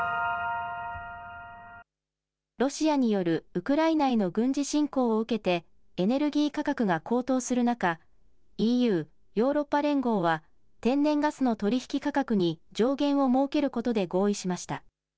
ロシアによるウクライナへの軍事侵攻を受けてエネルギー価格が高騰する中、ＥＵ・ヨーロッパ連合は天然ガスの取り引き価格に上限を設けることで合意しました。